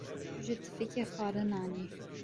Çû ji tifikê xwarin anî.